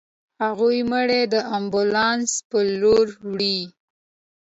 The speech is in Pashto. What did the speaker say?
هغوی مړی د امبولانس په لورې يووړ.